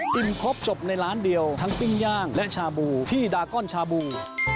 ครบจบในร้านเดียวทั้งปิ้งย่างและชาบูที่ดาก้อนชาบู